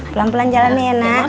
pelan pelan jelana ya nak